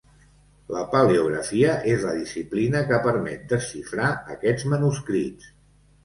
La paleografia és la disciplina que permet desxifrar aquests manuscrits.